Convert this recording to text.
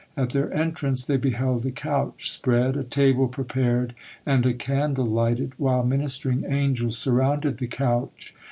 At their entrance they beheld a couch spread, a table prepared, and a candle lighted, while ministering angels surrounded the couch.